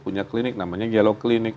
punya klinik namanya yellow clinic